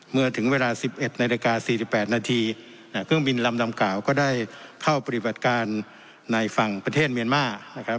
เมื่อถึงเวลาสิบเอ็ดนาฬิกาสี่สิบแปดนาทีน่ะเครื่องบินลำลำกล่าวก็ได้เข้าปฏิบัติการในฝั่งประเทศเมียนมาร์นะครับ